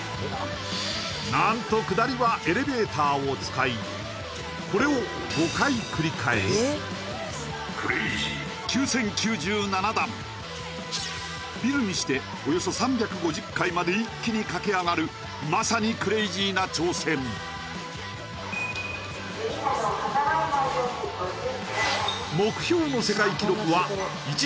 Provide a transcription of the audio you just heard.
何と下りはエレベーターを使いこれを５回繰り返す９０９７段ビルにしておよそ３５０階まで一気に駆け上がるまさにクレイジーな挑戦指など挟まれないようにご注意ください